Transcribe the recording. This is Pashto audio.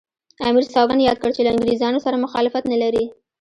امیر سوګند یاد کړ چې له انګریزانو سره مخالفت نه لري.